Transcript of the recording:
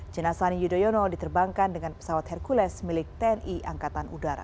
jenasa ani yudhoyono diterbangkan dengan pesawat hercules milik tni angkatan udara